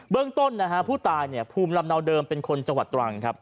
เบื้องต้นผู้ตายภูมิลำเนาเดิมเป็นคนจังหวัดตรัง